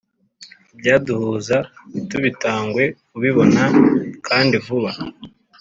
ibyaduhuza ntitubitangwe kubibona kandi vuba